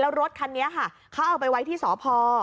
แล้วรถคันนี้ค่ะเขาเอาไปไว้ที่สพ